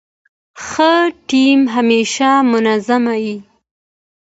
ښه ټیم همېشه منظم يي.